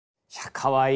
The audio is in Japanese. かわいい。